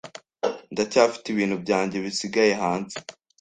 Ndacyafite ibintu byanjye bisigaye hanze.